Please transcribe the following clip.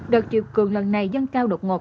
đợt triệu cường lần này dân cao đột ngột